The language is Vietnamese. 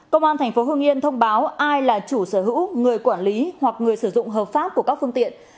công an tp hương yên thông báo ai là chủ sở hữu người quản lý hoặc người sử dụng hợp pháp của các phương tiện